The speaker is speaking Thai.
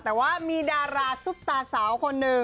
แต่ว่ามีดาราซุปตาสาวคนหนึ่ง